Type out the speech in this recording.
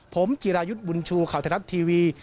ผมจิรายุทธ์บุญชูข่าวไทยรัฐทีวี